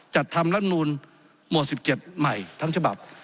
จัดทำรัฐมนูลหมวด๑๗ใหม่ทั้งฉบับ